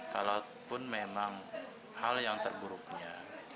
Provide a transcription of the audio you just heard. kalaupun memang hal yang terburuknya